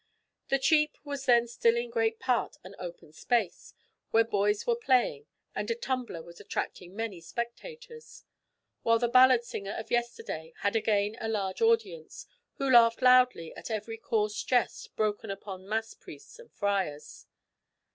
The Cheap was then still in great part an open space, where boys were playing, and a tumbler was attracting many spectators; while the ballad singer of yesterday had again a large audience, who laughed loudly at every coarse jest broken upon mass priests and friars.